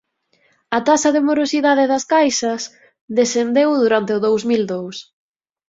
A taxa de morosidade das caixas descendeu durante o dous mil dous.